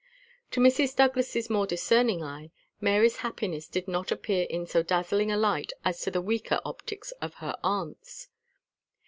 To Mrs. Douglas's more discerning eye, Mary's happiness did not appear in so dazzling a light as to the weaker optics of her aunts.